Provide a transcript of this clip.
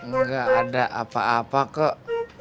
nggak ada apa apa kok